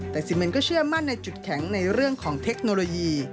แต่ซีเมนก็เชื่อมั่นในจุดแข็งในเรื่องของเทคโนโลยี